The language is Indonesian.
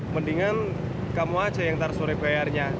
mendingan kamu aja yang ntar sore bayarnya